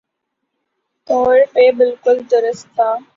طور پہ بالکل درست تھا